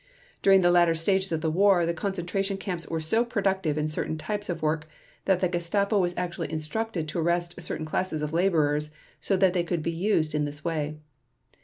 During the latter stages of the war the concentration camps were so productive in certain types of work that the Gestapo was actually instructed to arrest certain classes of laborers so that they could be used in this way.